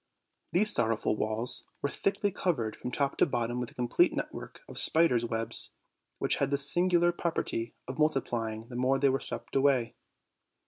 These sorrowful walls were thickly covered from top to bottom with a complete network of spiders' webs, which had the singular property of multiplying the more they were swept away.